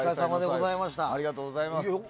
ありがとうございます。